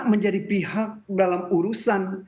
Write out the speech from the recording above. menjadi pihak dalam urusan